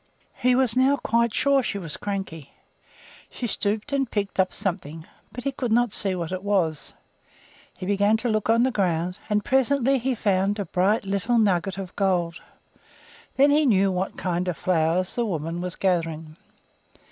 He was now quite sure she was cranky. She stooped and picked up something, but he could not see what it was. He began to look on the ground, and presently he found a bright little nugget of gold. Then he knew what kind of flowers the woman was gathering.